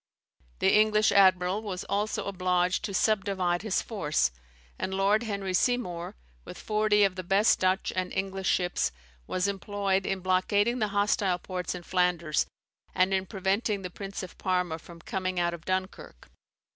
The English admiral was also obliged to subdivide his force; and Lord Henry Seymour, with forty of the best Dutch and English ships, was employed in blockading the hostile ports in Flanders, and in preventing the Prince of Parma from coming out of Dunkirk.